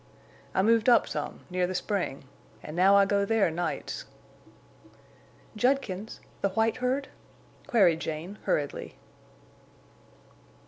"I moved up some, near the spring, an' now I go there nights." "Judkins—the white herd?" queried Jane, hurriedly.